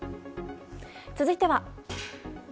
続いては。